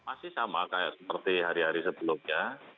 masih sama seperti hari hari sebelumnya